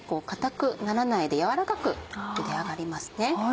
硬くならないで軟らかく茹で上がりますね。